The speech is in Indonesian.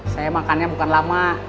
saya makannya bukan lama